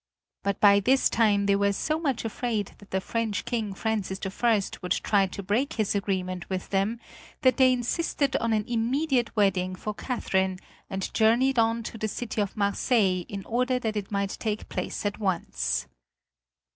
But by this time they were so much afraid that the French King Francis I would try to break his agreement with them that they insisted on an immediate wedding for Catherine and journeyed on to the city of Marseilles in order that it might take place at once.